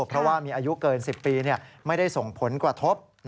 เพราะว่ามีอายุเกิน๑๐ปีไม่ได้ส่งผลกระทบ